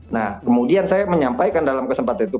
nah kemudian saya menyampaikan dalam kesempatan itu